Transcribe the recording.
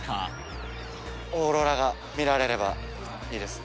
オーロラが見られればいいですね。